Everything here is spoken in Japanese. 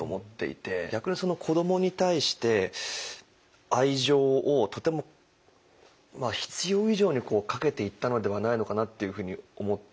逆に子どもに対して愛情をとても必要以上にかけていったのではないのかなっていうふうに思って見てました。